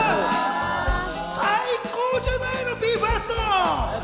最高じゃないの、ＢＥ：ＦＩＲＳＴ！